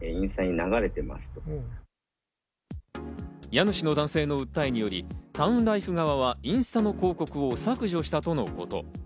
家主の男性の訴えによりタウンライフ側はインスタの広告を削除したとのこと。